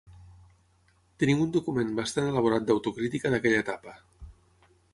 Tenim un document bastant elaborat d’autocrítica d’aquella etapa.